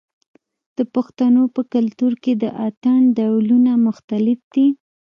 د پښتنو په کلتور کې د اتن ډولونه مختلف دي.